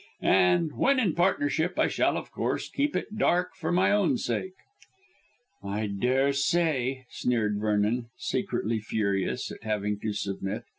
And when in partnership, I shall, of course, keep it dark for my own sake." "I daresay," sneered Vernon, secretly furious at having to submit.